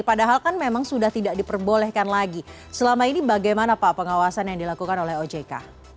padahal kan memang sudah tidak diperbolehkan lagi selama ini bagaimana pak pengawasan yang dilakukan oleh ojk